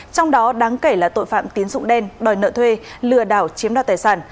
trong đó đáng kể là tội phạm tín dụng đen đòi nợ thuê lừa đảo chiếm đoạt tài sản